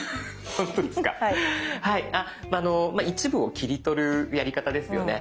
一部を切り取るやり方ですよね。